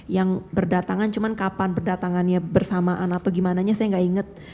yang berdatangan cuman kapan berdatangannya bersamaan atau gimananya saya nggak ingat